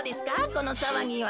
このさわぎは。